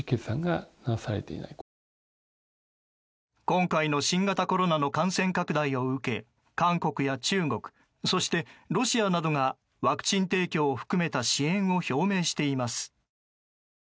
今回の新型コロナの感染拡大を受け韓国や中国、そしてロシアなどがワクチン提供を含めた支援を表明しています。